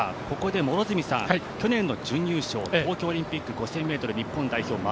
ここで両角さん、去年の準優勝東京オリンピック５０００ｍ日本代表